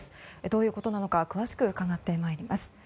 どういうことなのか伺ってまいります。